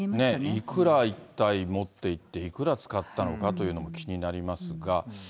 いくら持っていって、いくら使ったのかというのも気になりますが。